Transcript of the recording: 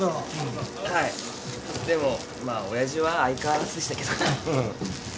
はいでもまあ親父は相変わらずでしたけど。